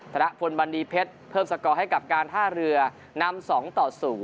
ธนพลบันดีเพชรเพิ่มสกอร์ให้กับการท่าเรือนำ๒ต่อ๐